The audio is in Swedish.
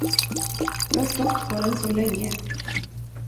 Jag har stått på den så länge.